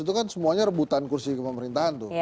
itu kan semuanya rebutan kursi ke pemerintahan tuh